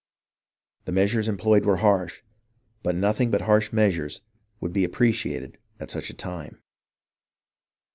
The measures employed were harsh, but nothing but harsh measures would be appreciated at such a time.